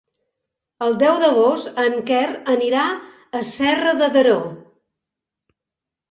El deu d'agost en Quer anirà a Serra de Daró.